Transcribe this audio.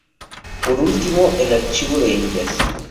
Por último el Archivo de Indias.